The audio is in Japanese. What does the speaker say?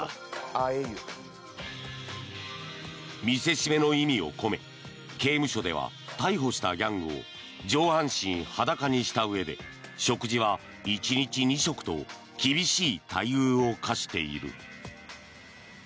見せしめの意味を込め刑務所では逮捕したギャングを上半身裸にしたうえで食事は１日２食と厳しい待遇を科している。